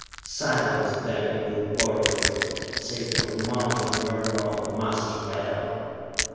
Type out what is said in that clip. Silence then in the laboratory, save for the mounting murmur of the Master Beryl!